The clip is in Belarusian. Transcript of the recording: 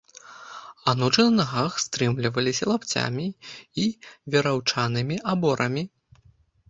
Анучы на нагах стрымліваліся лапцямі і вераўчанымі аборамі.